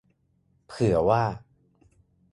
เผื่อว่า